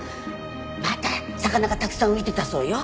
また魚がたくさん浮いてたそうよ